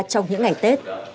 trong những ngày tết